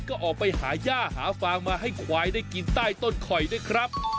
ก็ออกไปหาย่าหาฟางมาให้ควายได้กินใต้ต้นข่อยด้วยครับ